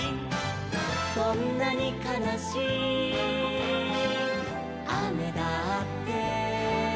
「どんなにかなしいあめだって」